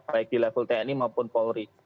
baik di level tni maupun polri